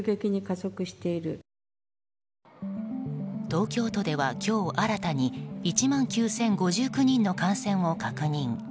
東京都では今日新たに１万９０５９人の感染を確認。